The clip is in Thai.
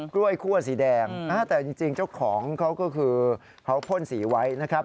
กล้วยคั่วสีแดงแต่จริงเจ้าของเขาก็คือเขาพ่นสีไว้นะครับ